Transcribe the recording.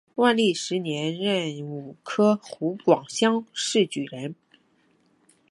万历十年壬午科湖广乡试举人。